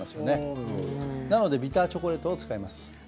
ですのでビターチョコレートを使います。